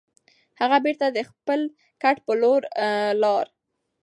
هغه بېرته د خپل کټ په لور لاړ.